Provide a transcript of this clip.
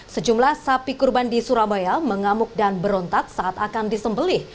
sejumlah sapi kurban di surabaya mengamuk dan berontak saat akan disembelih